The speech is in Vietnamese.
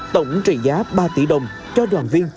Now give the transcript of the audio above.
tổng trị giá ba tỷ đồng cho đoàn viên